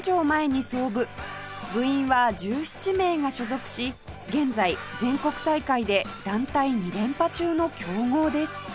部員は１７名が所属し現在全国大会で団体２連覇中の強豪です